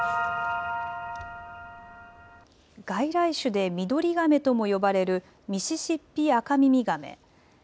外来種でミドリガメとも呼ばれるミシシッピアカミミガメ。